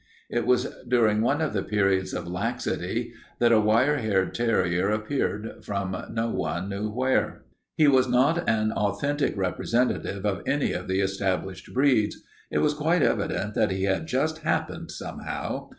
It was during one of the periods of laxity that a wire haired terrier appeared from no one knew where. He was not an authentic representative of any of the established breeds; it was quite evident that he had just happened somehow.